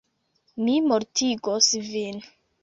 Mi mortigos vin!